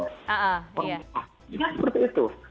juga seperti itu